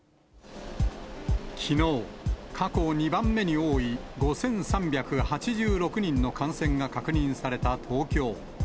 きのう、過去２番目に多い５３８６人の感染が確認された東京。